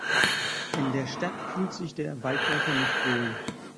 In der Stadt fühlt sich der Waldläufer nicht wohl.